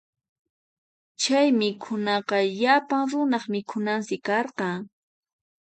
Chay mikhunakunaqa llapan runaq mikhunansi karqan.